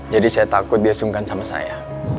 jadi saya takut dia sungkan sama saya